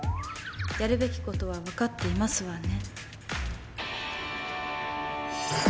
「やるべきことは分かっていますわね」